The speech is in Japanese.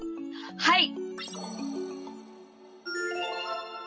はい！